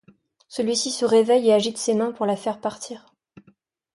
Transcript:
Celui-ci se réveille et agite ses mains pour la faire partir.